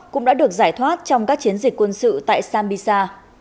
cũng đã được giải thoát trong các chiến dịch quân sự tại sambisa